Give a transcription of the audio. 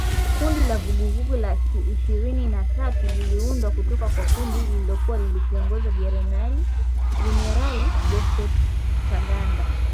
Kundi la Vuguvugu la Ishirini na tatu liliundwa kutoka kwa kundi lililokuwa likiongozwa na Jenerali Bosco Ntaganda